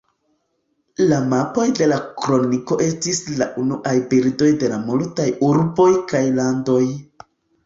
La mapoj de la Kroniko estis la unuaj bildoj de multaj urboj kaj landoj.